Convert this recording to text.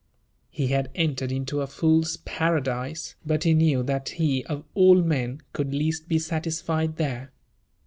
He had entered into a fool's paradise, but he knew that he of all men could least be satisfied there.